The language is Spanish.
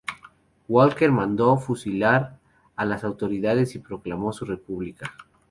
Walker mandó fusilar a las autoridades y proclamó su República.